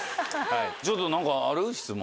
ちょっと何かある？質問。